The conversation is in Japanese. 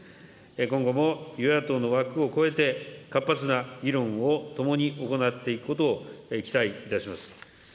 今後も与野党の枠を超えて活発な議論を共に行っていくことを期待いたします。